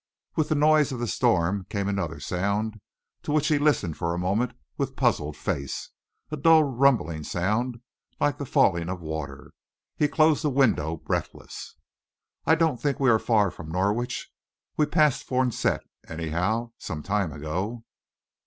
With the noise of the storm came another sound, to which he listened for a moment with puzzled face: a dull, rumbling sound like the falling of water. He closed the window, breathless. "I don't think we are far from Norwich. We passed Forncett, anyhow, some time ago."